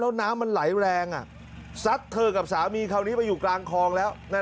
แล้วน้ำมันไหลแรงซัดเธอกับสามีคราวนี้ไปอยู่กลางคลองแล้ว